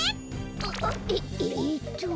あっあえっと。